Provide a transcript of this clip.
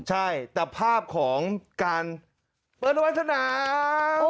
ใช่แต่ภาพของการเปิดโรงพยาบาลสนาม